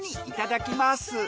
いただきます。